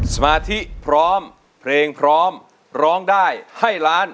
สมาธิพร้อมเพลงพร้อมร้องได้ให้ล้าน